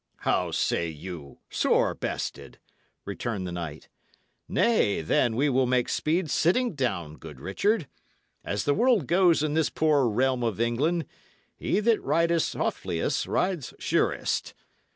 "How say you? Sore bested?" returned the knight. "Nay, then, we will make speed sitting down, good Richard. As the world goes in this poor realm of England, he that rides softliest rides surest.